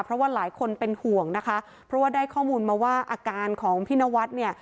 เพราะว่าหลายคนเป็นห่วงนะคะเพราะว่าได้ข้อมูลมาว่าอาการของพี่นวัดเนี่ย